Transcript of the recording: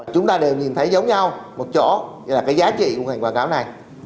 chúng ta đều nhìn thấy giống nhau một chỗ là cái giá trị của ngành quảng cáo này